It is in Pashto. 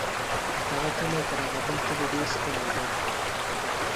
دغه کلی تر هغه بل کلي ډېر ښکلی دی.